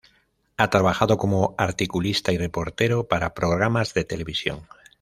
Ha trabajado como articulista y reportero para programas de televisión.